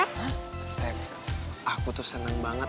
reva aku tuh senang banget